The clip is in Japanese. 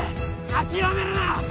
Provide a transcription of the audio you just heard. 諦めるな！